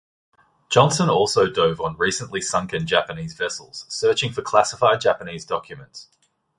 Johnson also dove on recently sunken Japanese vessels, searching for classified Japanese documents.